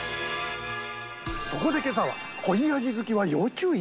そこで今朝は濃い味好きは要注意！？